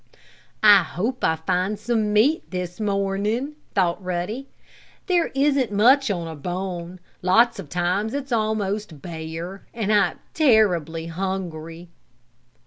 "I hope I find some meat this morning," thought Ruddy. "There isn't much on a bone, lots of times it's almost bare, and I'm terribly hungry!"